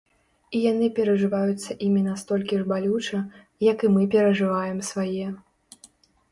І яны перажываюцца імі настолькі ж балюча, як і мы перажываем свае.